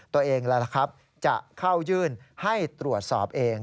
ตัวเองจะเข้ายื่นให้ตรวจสอบเอง